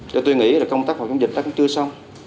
cho tôi nghĩ là công tác phòng chống dịch nó cũng chưa xong